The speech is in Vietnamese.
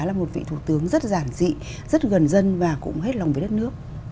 là một vị thủ tướng rất giản dị rất gần dân và cũng hết lòng với đất nước